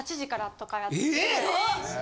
えっ？